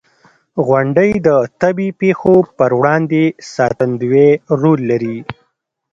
• غونډۍ د طبعي پېښو پر وړاندې ساتندوی رول لري.